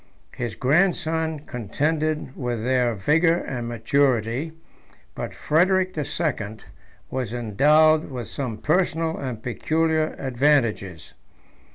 His grandson contended with their vigor and maturity; but Frederic the Second 148 was endowed with some personal and peculiar advantages.